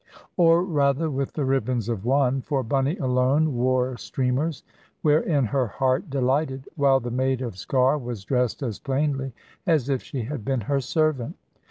Or rather with the ribbons of one, for Bunny alone wore streamers, wherein her heart delighted; while the maid of Sker was dressed as plainly as if she had been her servant.